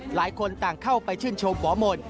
หลายคนต่างเข้าไปชื่นชมหมอมนต์